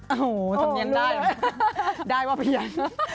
โอ้โหทำเนียนได้ได้ว่าพยาน